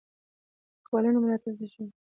د لیکوالو ملاتړ د ژبې ملاتړ دی.